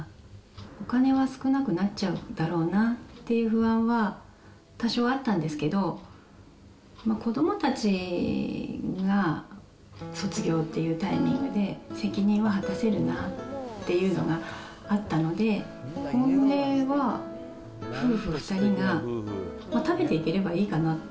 お金は少なくなっちゃうだろうなっていう不安は多少あったんですけど、子どもたちが卒業っていうタイミングで、責任は果たせるなっていうのがあったので、本音は夫婦２人が食べていければいいかなって。